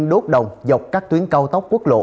đốt đồng dọc các tuyến cao tốc quốc lộ